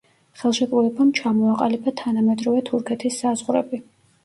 ხელშეკრულებამ ჩამოაყალიბა თანამედროვე თურქეთის საზღვრები.